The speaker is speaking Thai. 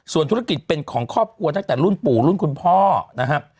ส่วนธุรกิจเป็นของครอบครัวตั้งแต่รุ่นปู่รุ่นคุณพ่อนะครับ